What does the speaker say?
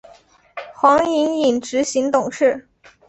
黄影影执行董事。